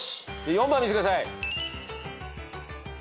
４番見せてください。